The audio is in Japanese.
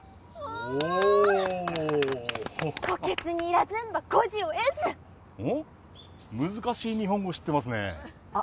おお虎穴に入らずんば虎子を得ずおっ難しい日本語知ってますねえあっ